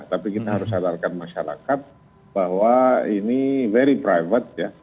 tapi kita harus sadarkan masyarakat bahwa ini very private ya